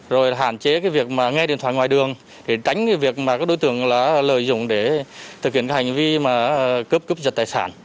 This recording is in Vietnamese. rồi hạn chế việc nghe điện thoại ngoài đường để tránh việc các đối tượng lợi dụng để thực hiện hành vi cướp cướp giật tài sản